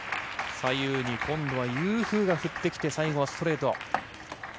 左右に今度はユー・フーが振ってきて最後はストレート。